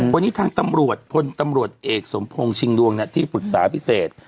วันนี้ทางตำรวจพลตำรวจเอกสมพงศ์ชิงดวงที่ปรึกษาพิเศษ